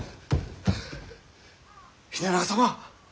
秀長様！